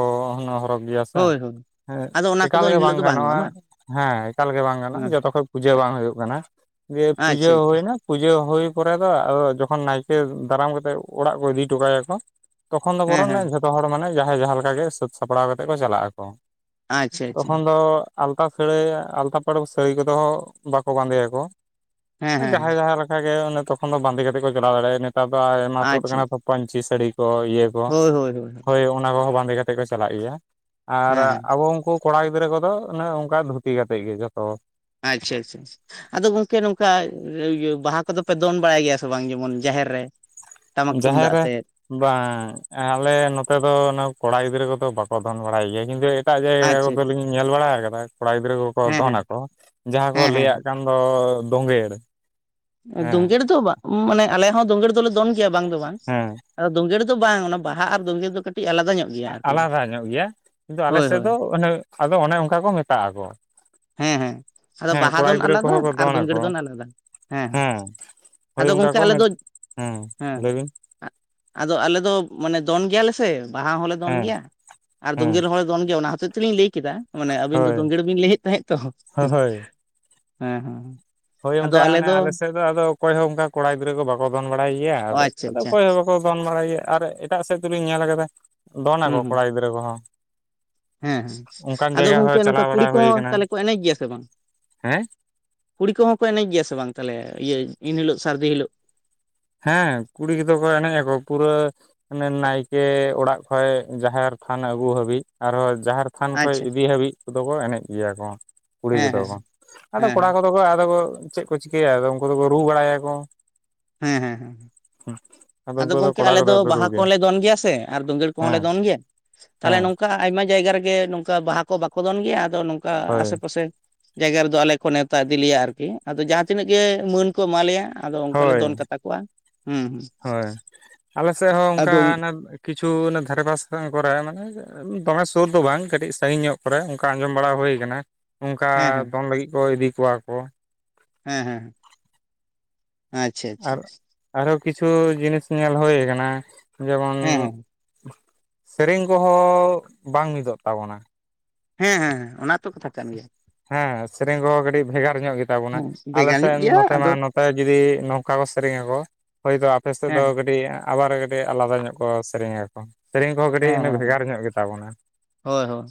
ᱦᱚᱨᱚᱜᱽ ᱜᱮᱭᱟ ᱥᱮ ᱦᱳᱭ ᱦᱳᱭ ᱦᱮᱸ᱾ ᱟᱫᱚ ᱚᱱᱟ ᱠᱚᱫᱚ ᱮᱠᱟᱞᱜᱮ ᱵᱟᱝ ᱮᱱᱦᱤᱞᱳᱜ ᱫᱚ ᱜᱟᱱᱚᱜᱼᱟ ᱵᱟᱝ ᱦᱮᱸ ᱮᱠᱟᱞᱜᱮ ᱵᱟᱝ ᱦᱮᱸ ᱜᱟᱱᱚᱜᱼᱟ ᱡᱚᱛᱚ ᱠᱷᱚᱭ ᱯᱩᱡᱟᱹ ᱵᱟᱝ ᱦᱩᱭᱩᱜ ᱠᱟᱱᱟ᱾ ᱡᱮ ᱯᱩᱡᱟᱹ ᱟᱪᱪᱷᱟ ᱦᱚᱸ ᱟᱪᱪᱷᱟ ᱦᱳᱭᱱᱟ ᱯᱩᱡᱟᱹ ᱦᱳᱭ ᱯᱚᱨᱮ ᱫᱚ ᱟᱫᱚ ᱡᱚᱠᱷᱚᱱ ᱱᱟᱭᱠᱮ ᱫᱟᱨᱟᱢ ᱠᱟᱛᱮᱫ ᱚᱲᱟᱜ ᱠᱚ ᱤᱫᱤ ᱦᱚᱴᱚ ᱠᱟᱭᱟᱠᱚ᱾ ᱛᱚᱠᱷᱚᱱ ᱫᱚ ᱦᱮᱸ ᱵᱚᱨᱚᱱ ᱦᱮᱸ ᱡᱷᱚᱛᱚ ᱦᱚᱲ ᱢᱟᱱᱮ ᱡᱟᱦᱟᱸᱭ ᱡᱟᱦᱟᱸ ᱞᱮᱠᱟ ᱜᱮ ᱥᱟᱹᱛ ᱥᱟᱯᱲᱟᱣ ᱠᱟᱛᱮᱜ ᱠᱚ ᱪᱟᱞᱟᱜ ᱟᱠᱚ, ᱟᱪᱪᱷᱟ ᱟᱪᱪᱷᱟ ᱛᱚᱠᱷᱚᱱ ᱫᱚ ᱟᱞᱛᱟ ᱥᱟᱹᱲᱟᱹᱭ ᱟᱞᱛᱟ ᱯᱟᱲᱟᱹ ᱥᱟᱹᱲᱤ ᱠᱚᱫᱚ ᱵᱟᱠᱚ ᱵᱟᱸᱫᱮᱭᱟᱠᱚ ᱦᱮᱸ ᱦᱮᱸ ᱦᱮᱸ ᱡᱟᱦᱟᱸᱭ ᱡᱟᱦᱟᱸ ᱞᱮᱠᱟᱜᱮ ᱚᱱᱮ ᱛᱚᱠᱷᱚᱱ ᱫᱚ ᱵᱟᱸᱫᱮ ᱠᱟᱛᱮᱜ ᱠᱚ ᱪᱟᱞᱟᱣ ᱫᱟᱲᱮᱭᱟᱜᱼᱟ ᱱᱮᱛᱟᱨ ᱫᱚ ᱟᱭᱢᱟ ᱛᱳᱫ ᱟᱪᱪᱷᱟ ᱠᱟᱱᱟ ᱛᱚ᱾ ᱯᱟᱧᱪᱤ ᱥᱟᱲᱤ ᱠᱚ ᱤᱭᱟᱹ ᱠᱚ ᱦᱳᱭ ᱦᱳᱭ ᱦᱮᱸ ᱦᱳᱭ ᱚᱱᱟ ᱠᱚᱦᱚᱸ ᱵᱟᱸᱫᱮ ᱠᱟᱛᱮᱫ ᱠᱚ ᱪᱟᱞᱟᱜ ᱜᱮᱭᱟ, ᱟᱨ ᱦᱮᱸ ᱟᱵᱚ ᱩᱱᱠᱩ ᱠᱚᱲᱟ ᱜᱤᱫᱽᱨᱟᱹ ᱠᱚᱫᱚ ᱚᱱᱮ ᱚᱱᱠᱟ ᱫᱷᱩᱛᱤ ᱠᱟᱛᱮᱫ ᱜᱮ ᱡᱚᱛᱚ᱾ ᱟᱪᱪᱷᱟ ᱟᱪᱪᱷᱟ ᱪᱷᱟ᱾ ᱟᱫᱚ ᱜᱚᱝᱠᱮ ᱱᱚᱝᱠᱟ ᱤᱭᱟᱹ ᱵᱟᱦᱟ ᱠᱚᱫᱚ ᱯᱮ ᱫᱚᱱ ᱵᱟᱲᱟᱭ ᱜᱮᱭᱟ ᱥᱮ ᱵᱟᱝ ᱡᱮᱢᱚᱱ ᱡᱟᱦᱮᱨ ᱨᱮ? ᱴᱟᱢᱟᱠ ᱛᱩᱢᱫᱟᱜ ᱡᱟᱦᱮᱨ ᱨᱮ ᱟᱛᱮᱫ ᱵᱟᱝ ᱟᱞᱮ ᱱᱚᱛᱮ ᱫᱚ ᱚᱱᱟ ᱠᱚᱲᱟ ᱜᱤᱫᱽᱨᱟᱹ ᱠᱚᱫᱚ ᱵᱟᱠᱚ ᱫᱚᱱ ᱵᱟᱲᱟᱭ ᱜᱮᱭᱟ᱾ ᱧᱤᱫᱟᱹ ᱮᱴᱟᱜ ᱡᱟᱭᱜᱟ ᱟᱪᱪᱷᱟ ᱟᱪᱪᱷᱟ ᱠᱚᱫᱚᱞᱤᱧ ᱧᱮᱞ ᱵᱟᱲᱟ ᱠᱟᱫᱟ ᱠᱚᱲᱟ ᱜᱤᱫᱽᱨᱟᱹ ᱠᱚᱠᱚ ᱦᱮᱸ ᱫᱚᱱᱟᱠᱚ ᱡᱟᱦᱟᱸ ᱠᱚ ᱦᱮᱸ ᱦᱮᱸ ᱞᱮᱭᱟᱜ ᱦᱮᱸ ᱠᱟᱱ ᱫᱚ ᱫᱳᱸᱜᱮ ᱮᱲᱮ ᱫᱳᱸᱜᱮᱲ ᱫᱚ ᱵᱟ ᱢᱟᱱᱮ ᱟᱞᱮ ᱦᱚᱸ ᱫᱳᱸᱜᱮᱲ ᱫᱚᱞᱮ ᱫᱚᱱ ᱜᱮᱭᱟ ᱵᱟᱝ ᱫᱚ ᱵᱟᱝ ᱦᱮᱸ ᱟᱫᱚ ᱫᱳᱸᱜᱮᱲ ᱫᱚ, ᱫᱚ ᱵᱟᱝ ᱚᱱᱟ ᱵᱟᱦᱟ ᱟᱨ ᱫᱳᱸᱜᱮᱲ ᱫᱚ ᱠᱟᱴᱤᱜ ᱟᱞᱟᱫᱟ ᱧᱚᱜ ᱜᱮᱭᱟ ᱟᱨᱠᱤ ᱟᱞᱟᱫᱟ ᱧᱚᱜ ᱜᱮᱭᱟ ᱠᱤᱱᱛᱩ ᱟᱞᱮ ᱦᱳᱭ ᱥᱮᱫ ᱦᱳᱭ ᱫᱚ ᱚᱱᱮ ᱟᱫᱚ ᱚᱱᱮ ᱚᱱᱠᱟ ᱠᱚ ᱢᱮᱛᱟᱜᱼᱟ ᱠᱚ᱾ ᱦᱮᱸ ᱦᱮᱸ ᱟᱫᱚ ᱵᱟᱦᱟ ᱫᱚᱱ ᱟᱞᱟᱫᱟ ᱠᱚᱦᱚᱸ ᱠᱚ ᱟᱨ ᱫᱳᱸᱜᱮᱲ ᱟᱠᱚ ᱫᱚᱱ ᱟᱞᱟᱫᱟ᱾ ᱦᱮᱸ ᱦᱮᱸ ᱦᱳᱭ ᱟᱫᱚ ᱚᱱᱠᱟ ᱜᱚᱝᱠᱮ ᱠᱚ ᱟᱞᱮ ᱦᱮᱸ ᱫᱚ ᱦᱮᱸ, ᱞᱟᱹᱭ ᱵᱤᱱ ᱟᱫᱚ ᱟᱞᱮ ᱫᱚ ᱢᱟᱱᱮ ᱫᱚᱱ ᱜᱮᱭᱟᱞᱮ ᱥᱮ ᱵᱟᱦᱟ ᱦᱚᱸᱞᱮ ᱫᱚᱱ ᱦᱮᱸ ᱜᱮᱭᱟ ᱟᱨ ᱦᱮᱸ ᱫᱳᱸᱜᱮᱲ ᱦᱚᱞ ᱫᱚᱱ ᱜᱮᱭᱟ ᱚᱱᱟ ᱦᱚᱛᱮᱡ ᱛᱮᱞᱤᱧ ᱞᱟᱹᱭ ᱠᱮᱫᱟ ᱢᱟᱱᱮ ᱟᱵᱤᱱ ᱫᱚ ᱦᱳᱭ ᱫᱳᱸᱜᱮᱲ ᱵᱤᱱ ᱞᱟᱹᱭᱮᱫ ᱛᱟᱦᱮᱸᱜ ᱛᱚ᱾ ᱦᱳᱭ ᱦᱮᱸ ᱦᱮᱸ᱾ ᱦᱳᱭ ᱚᱱᱠᱟ ᱚᱱᱮ ᱟᱞᱮ ᱥᱮᱫ ᱫᱚ ᱟᱫᱚ ᱚᱠᱚᱭ ᱦᱚᱸ ᱚᱱᱠᱟ ᱠᱚᱲᱟ ᱜᱤᱫᱽᱨᱟᱹ ᱠᱚ ᱵᱟᱠᱚ ᱫᱚᱱ ᱵᱟᱲᱟᱭ ᱜᱮᱭᱟ ᱚ ᱟᱫᱚ ᱟᱪᱪᱷᱟ ᱟᱫᱚ ᱟᱪᱪᱷᱟ ᱚᱠᱚᱭ ᱦᱚᱸ ᱠᱚ ᱫᱚᱱ ᱵᱟᱲᱟᱭ ᱜᱮᱭᱟ ᱟᱨ ᱮᱴᱟᱜ ᱥᱮᱫ ᱫᱚᱞᱤᱧ ᱧᱮᱞ ᱠᱟᱫᱟ ᱫᱚᱱ ᱦᱩᱸ ᱟᱠᱚ ᱦᱩᱸ ᱠᱚᱲᱟ ᱜᱤᱫᱽᱨᱟᱹ ᱠᱚᱦᱚᱸ᱾ ᱦᱮᱸ, ᱚᱱᱠᱟᱱ ᱟᱫᱚ ᱡᱟᱭᱜᱟ ᱦᱚᱸ ᱜᱚᱝᱠᱮ ᱱᱚᱝᱠᱟ ᱪᱟᱞᱟᱣ ᱵᱟᱲᱟ ᱠᱩᱲᱤ ᱦᱩᱭ ᱠᱚᱦᱚᱸ ᱠᱟᱱᱟ ᱛᱟᱦᱞᱮ ᱠᱚ ᱮᱱᱮᱡᱽ ᱜᱮᱭᱟ ᱥᱮ ᱵᱟᱝ? ᱦᱮᱸ ᱠᱩᱲᱤ ᱠᱚᱦᱚᱸ ᱠᱚ ᱮᱱᱮᱡᱽ ᱜᱮᱭᱟ ᱥᱮ ᱵᱟᱝ ᱛᱟᱦᱚᱞᱮ, ᱤᱭᱟᱹ ᱤᱱ ᱦᱤᱞᱳᱜ ᱥᱟᱨᱫᱤ ᱦᱤᱞᱳᱜ? ᱦᱮᱸ ᱠᱩᱲᱤ ᱠᱮᱫᱚ ᱠᱚ ᱮᱱᱮᱡᱽ ᱟᱠᱚ᱾ ᱯᱩᱨᱟᱹᱼᱼ ᱟᱱᱮ ᱱᱟᱭᱠᱮ ᱚᱲᱟᱜ ᱠᱷᱚᱡ ᱡᱟᱦᱮᱨ ᱛᱷᱟᱱ ᱟᱹᱜᱩ ᱦᱟᱹᱵᱤᱡ᱾ ᱟᱨᱦᱚᱸ ᱡᱟᱦᱮᱨᱼᱼ ᱛᱷᱟᱱ ᱠᱷᱚᱡ ᱟᱪᱪᱷᱟ ᱤᱫᱤ ᱦᱟᱹᱵᱤᱡ ᱠᱚᱫᱚ ᱠᱚ ᱮᱱᱮᱡᱽ ᱜᱮᱭᱟ ᱾ ᱠᱚ ᱠᱩᱲᱤ ᱦᱮᱸ ᱜᱤᱫᱽᱨᱟᱹ ᱦᱮᱸ ᱠᱚᱫᱚ ᱠᱚ᱾ ᱟᱫᱚ ᱦᱮᱸ ᱠᱚᱲᱟ ᱦᱮᱸ ᱠᱚᱫᱚᱼᱼ ᱟᱫᱚ ᱠᱚ ᱪᱮᱫ ᱠᱚ ᱪᱤᱠᱟᱹᱭᱟ᱾ ᱟᱫᱚ ᱩᱱᱠᱩ ᱫᱚ ᱠᱚ ᱨᱩ ᱵᱟᱲᱟᱭ ᱟᱠᱚ᱾ ᱦᱮᱸ, ᱦᱮᱸ, ᱦᱮᱸ᱾ [unintelligible] ᱟᱫᱚ ᱜᱚᱝᱠᱮ ᱠᱚᱲᱟ ᱟᱞᱮ ᱠᱚᱫᱚ ᱫᱚ ᱠᱚ ᱨᱩ ᱵᱟᱦᱟ ᱠᱚᱦᱚᱸ ᱞᱮ ᱫᱚᱱ ᱜᱮᱭᱟ ᱥᱮ ᱾ ᱟᱨ ᱫᱳᱸᱜᱮᱲ ᱠᱚᱦᱚᱸ ᱞᱮ ᱦᱮᱸ ᱫᱚᱱ ᱜᱮᱭᱟ᱾ ᱛᱟᱦᱚᱞᱮ ᱦᱮᱸ ᱱᱚᱝᱠᱟᱼᱼ ᱟᱭᱢᱟ ᱡᱟᱭᱜᱟ ᱨᱮᱜᱮ ᱱᱚᱝᱠᱟ ᱵᱟᱦᱟ ᱠᱚ ᱵᱟᱠᱚ ᱫᱚᱱ ᱜᱮᱭᱟ ᱾ ᱟᱫᱚ ᱱᱚᱝᱠᱟ ᱦᱳᱭ ᱟᱥᱮ ᱯᱟᱥᱮᱼᱼ ᱡᱟᱭᱜᱟ ᱨᱮᱫᱚ ᱟᱞᱮ ᱠᱚ ᱱᱮᱣᱛᱟ ᱤᱫᱤ ᱞᱮᱭᱟ ᱟᱨᱠᱤ᱾ ᱟᱫᱚ ᱡᱟᱦᱟᱸ ᱛᱤᱱᱟᱹᱜ ᱜᱮ ᱢᱟᱹᱱᱼᱼ ᱠᱚ ᱮᱢᱟ ᱞᱮᱭᱟ᱾ ᱟᱫᱚ ᱚᱱᱠᱟ ᱞᱮ ᱦᱳᱭ ᱫᱚᱱ ᱠᱟᱛᱟ ᱠᱚᱣᱟ᱾ ᱦᱩᱸ ᱦᱳᱭ ᱟᱞᱮ ᱥᱮ ᱦᱚᱸ ᱚᱱᱠᱟ᱾ ᱟᱫᱚ ᱠᱤᱪᱷᱩ ᱚᱱᱮ ᱫᱷᱟᱨᱮ ᱯᱟᱥ ᱠᱚᱨᱮ [unintelligible] ᱢᱟᱱᱮ ᱫᱚᱢᱮ ᱥᱳᱨ ᱫᱚ ᱵᱟᱝ, ᱠᱟᱹᱴᱤᱡ ᱥᱟᱸᱜᱤᱧ ᱧᱚᱜ ᱠᱚᱨᱮ ᱚᱱᱠᱟ ᱟᱸᱡᱚᱢ ᱵᱟᱲᱟ ᱦᱳᱭ ᱠᱟᱱᱟ᱾ ᱚᱱᱠᱟ ᱦᱮᱸ ᱦᱮᱸ ᱫᱚᱱ ᱞᱟᱹᱜᱤᱫ ᱠᱚ ᱤᱫᱤ ᱠᱚᱣᱟ ᱠᱚ᱾ ᱦᱮᱸ, ᱦᱮᱸ᱾ ᱟᱪᱪᱷᱟ ᱟᱪᱪᱷᱟ ᱟᱨ, ᱟᱨᱦᱚᱸ ᱠᱤᱪᱷᱩ ᱡᱤᱱᱤᱥ ᱧᱮᱞ ᱦᱳᱭ ᱠᱟᱱᱟ᱾ ᱡᱮᱢᱚᱱᱼᱼ ᱦᱮᱸ ᱦᱮᱸ ᱥᱮᱨᱮᱧ ᱠᱚᱦᱚᱸ ᱵᱟᱝ ᱢᱤᱫᱚᱜ ᱛᱟᱵᱚᱱᱟ᱾ ᱦᱮᱸ, ᱦᱮᱸ, ᱦᱮᱸ ᱚᱱᱟᱛ ᱦᱮᱸ, ᱥᱮᱨᱮᱝ ᱠᱚᱦᱚᱸ ᱠᱟᱴᱤᱡ ᱵᱷᱮᱜᱟᱨ ᱧᱚᱜ ᱜᱮᱛᱟ ᱵᱚᱱᱟ᱾ ᱦᱮᱸ ᱟᱞᱮ ᱵᱷᱮᱜᱟᱨ ᱧᱚᱜ ᱥᱮᱫ ᱜᱮᱭᱟ ᱱᱚᱛᱮ ᱢᱟ, ᱟᱫᱚ ᱱᱚᱛᱮ ᱡᱩᱫᱤ ᱱᱚᱝᱠᱟ ᱠᱚ ᱥᱮᱨᱮᱧ ᱟᱠᱚ ᱾ᱦᱳᱭᱛᱚ ᱟᱯᱮ ᱥᱮᱫ ᱦᱮᱸ ᱫᱚ ᱠᱟᱴᱤᱡᱼᱼ ᱟᱵᱟᱨ ᱠᱟᱴᱤᱡ ᱟᱞᱟᱫᱟ ᱧᱚᱜ ᱠᱚ ᱥᱮᱨᱮᱧ ᱟᱠᱚ᱾ ᱥᱮᱨᱮᱧ ᱠᱚᱦᱚᱸ ᱠᱟᱹᱴᱤᱡ ᱦᱮᱸ ᱮᱱᱮ ᱵᱷᱮᱜᱟᱨ ᱦᱮᱸ ᱧᱚᱜ ᱜᱮᱛᱟ ᱵᱚᱱᱟ᱾ ᱦᱳᱭ ᱦᱳᱭ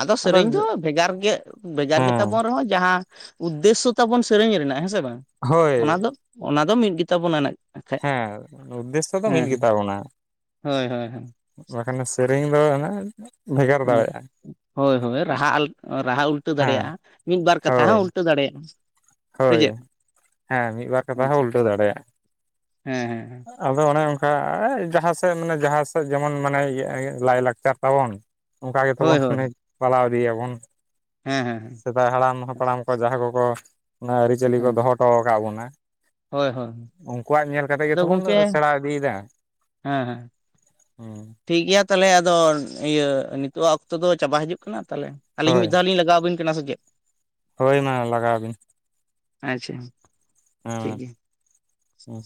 ᱟᱫᱚ ᱟᱫᱚᱼᱼ ᱥᱮᱨᱮᱧ ᱫᱚ ᱵᱷᱮᱜᱟᱨ ᱜᱮ, ᱵᱷᱮᱜᱟᱨ ᱜᱮ ᱛᱟᱵᱚᱱ ᱨᱮᱦᱚᱸ ᱡᱟᱦᱟᱸ ᱩᱫᱫᱮᱥᱥᱚ ᱛᱟᱵᱚᱱ ᱥᱮᱨᱮᱧ ᱨᱮᱱᱟᱜ ᱦᱮᱸ ᱥᱮ ᱵᱟᱝ᱾ ᱚᱱᱟ ᱦᱳᱭ ᱫᱚ, ᱚᱱᱟ ᱫᱚ ᱢᱤᱫ ᱜᱮᱛᱟ ᱵᱚᱱᱟ [unintelligible] ᱦᱮᱸ ᱩᱫᱫᱮᱥᱥᱚ ᱫᱚ ᱢᱤᱫ ᱜᱮᱛᱟ ᱵᱚᱱᱟ᱾ ᱦᱳᱭ, ᱦᱳᱭ, ᱦᱳᱭ᱾ ᱵᱟᱠᱷᱟᱱ ᱥᱮᱨᱮᱧ ᱚᱱᱮ ᱵᱷᱮᱜᱟᱨ ᱚ ᱫᱟᱲᱮᱭᱟᱜᱼᱟ᱾ ᱦᱳᱭ, ᱦᱳᱭ, ᱨᱟᱦᱟ, ᱨᱟᱦᱟ ᱩᱞᱴᱟᱹ ᱦᱮᱸ ᱫᱟᱲᱮᱭᱟᱜᱼᱟ᱾ ᱢᱤᱫ ᱵᱟᱨ ᱠᱟᱛᱷᱟ ᱦᱳᱭ ᱦᱚᱸ ᱩᱞᱴᱟᱹ ᱫᱟᱲᱮᱭᱟᱜᱼᱟ᱾ ᱥᱮ ᱦᱳᱭ, ᱪᱮᱫ ᱦᱮᱸ ᱢᱤᱫ ᱵᱟᱨ ᱠᱟᱛᱷᱟ ᱟᱪᱪᱷᱟ ᱦᱚᱸ ᱩᱞᱴᱟᱹᱣ ᱫᱟᱲᱮᱭᱟᱜᱼᱟ᱾ ᱦᱮᱸ, ᱦᱮᱸ, ᱦᱮᱸ᱾ ᱟᱫᱚ ᱚᱱᱮ ᱚᱝᱠᱟ᱾ ᱡᱟᱦᱟᱸ ᱥᱮᱫ ᱢᱟᱱᱮ ᱡᱟᱦᱟᱸ ᱥᱮᱫ ᱡᱮᱢᱚᱱ ᱢᱟᱱᱮ ᱤᱭᱟᱹ ᱞᱟᱭᱼᱞᱟᱠᱪᱟᱨ ᱛᱟᱵᱚᱱ᱾ ᱚᱝᱠᱟ ᱜᱮ ᱦᱳᱭ ᱛᱚᱵᱚᱱ ᱦᱳᱭ ᱚᱱᱮ ᱯᱟᱞᱟᱣ ᱤᱫᱤᱭ ᱟᱵᱚᱱ᱾ ᱦᱮᱸ, ᱦᱮᱸ᱾ ᱦᱮᱸ ᱥᱮᱫᱟᱭ ᱦᱟᱲᱟᱢ ᱦᱟᱯᱲᱟᱢ ᱠᱚ ᱡᱟᱦᱟᱸᱭ ᱠᱚᱠᱚ, ᱚᱱᱮ ᱟᱹᱨᱤᱪᱟᱹᱞᱤ ᱠᱚ ᱫᱚᱦᱚᱴᱚᱣ ᱠᱟᱜ ᱵᱚᱱᱟ᱾ ᱦᱳᱭ ᱦᱳᱭ ᱩᱱᱠᱩᱣᱟᱜ ᱧᱮᱞ ᱠᱟᱛᱮᱫ ᱜᱮ ᱟᱫᱚ ᱛᱚ ᱵᱚᱱ ᱜᱚᱝᱠᱮ ᱥᱮᱬᱟ ᱤᱫᱤᱭ ᱫᱟ᱾ ᱦᱮᱸ ᱦᱮᱸ ᱦᱩᱸ᱾ ᱴᱷᱤᱠ ᱜᱮᱭᱟ ᱛᱟᱦᱚᱞᱮ ᱟᱫᱚ᱾ ᱤᱭᱟᱹ ᱱᱤᱛᱚᱜᱟᱜ ᱚᱠᱛᱚ ᱫᱚ ᱪᱟᱵᱟ ᱦᱤᱡᱩᱜ ᱠᱟᱱᱟ᱾ ᱛᱟᱦᱚᱞᱮ ᱟᱹᱞᱤᱧ ᱦᱳᱭ ᱢᱤᱫ ᱫᱷᱟᱣ ᱞᱤᱧ ᱞᱟᱜᱟᱣ ᱟᱵᱤᱱ [unintelligible] ᱥᱮ ᱪᱮᱫ᱾ ᱦᱳᱭ ᱢᱟ ᱞᱟᱜᱟᱣ ᱵᱤᱱ᱾ ᱟᱪᱪᱷᱟ᱾ ᱴᱷᱤᱠ ᱦᱮᱸ, ᱜᱮᱭᱟ ᱦᱩᱸ᱾